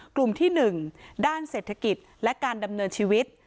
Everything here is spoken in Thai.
กลุ่มที่๑ด้านเศรษฐกิจและการดำเนินชีวิต